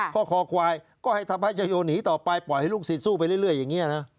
คอควายก็ให้ธรรมชโยหนีต่อไปปล่อยให้ลูกศิษย์สู้ไปเรื่อยอย่างนี้นะ